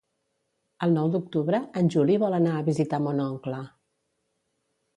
El nou d'octubre en Juli vol anar a visitar mon oncle.